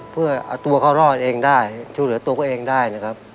เพื่อเอาตัวเขารอดเองได้ช่วยเหลือตัวเองได้นะครับ